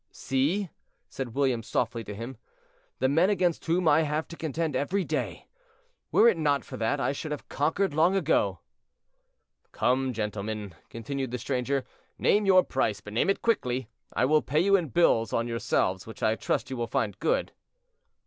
"See," said William softly to him, "the men against whom I have to contend every day. Were it not for that, I should have conquered long ago." "Come, gentlemen," continued the stranger, "name your price, but name it quickly. I will pay you in bills on yourselves, which I trust you will find good."